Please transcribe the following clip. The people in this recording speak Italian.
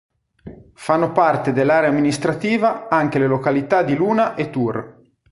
Fanno parte dell'area amministrativa anche le località di Luna e Tur.